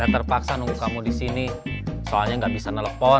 saya terpaksa nunggu kamu disini soalnya gak bisa telepon